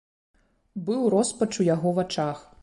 Быў роспач у яго вачах.